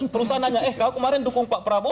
perusahaan nanya eh kau kemarin dukung pak prabowo